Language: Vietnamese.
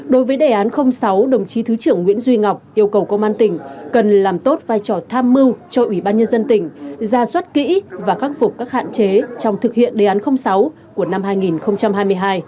đối với đề án sáu đồng chí thứ trưởng nguyễn duy ngọc yêu cầu công an tỉnh cần làm tốt vai trò tham mưu cho ủy ban nhân dân tỉnh ra suất kỹ và khắc phục các hạn chế trong thực hiện đề án sáu của năm hai nghìn hai mươi hai